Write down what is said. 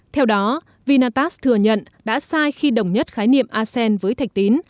theo đó vinatax thừa nhận đã sai khi đồng nhất khái niệm asen với thạch tín